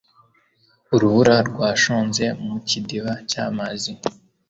Urubura rwashonze mu kidiba cy'amazi.